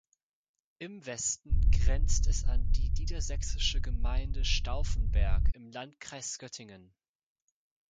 Im Westen grenzt es an die niedersächsische Gemeinde Staufenberg im Landkreis Göttingen.